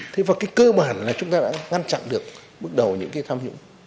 thế và cái cơ bản là chúng ta đã ngăn chặn được bước đầu những cái tham nhũng